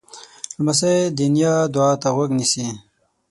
لمسی د نیا دعا ته غوږ نیسي.